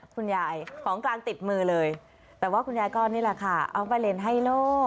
คุณยายของกลางติดมือเลยแต่ว่าคุณยายก็นี่แหละค่ะเอาไปเล่นไฮโล่